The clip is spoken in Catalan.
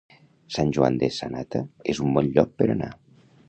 Sant Joan de Sanata és un bon lloc per anar.